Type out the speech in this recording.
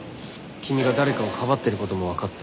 君が誰かをかばってる事もわかった。